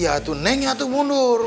iya tuh neng ya tuh mundur